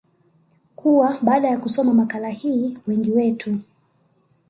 kuwa baada ya kusoma makala hii wengi wetu